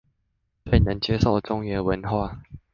最能接受中原文化